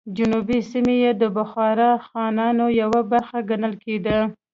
جنوبي سیمه یې د بخارا خانانو یوه برخه ګڼل کېده.